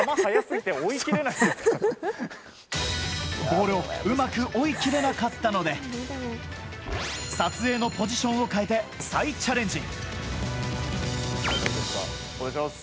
ボールをうまく追いきれなかったので撮影のポジションを変えて再チャレンジ。